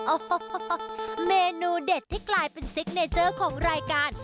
โอ้โหเมนูเด็ดที่กลายเป็นซิกเนเจอร์ของรายการ